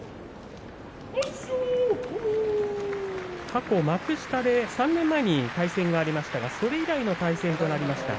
過去幕下で３年前に対戦がありましたがそれ以来の対戦となりました。